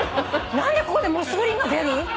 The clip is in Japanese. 何でここでモスグリーンが出る？